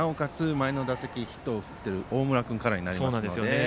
前の打席ヒットを打っている大村君からになりますよね。